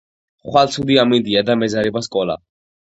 ხვალ ცუდი ამინდია და მეზარება სკოლა